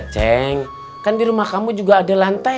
ceng kan di rumah kamu juga ada lantai